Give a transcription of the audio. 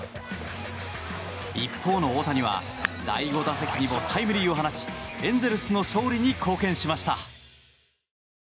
一方の大谷は第５打席にもタイムリーを放ちエンゼルスの勝利に貢献しました。